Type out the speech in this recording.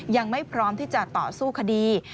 ยังไม่พร้อมที่จะต่อสู้คดี